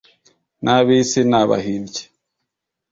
n' abisi, n' abahimbyi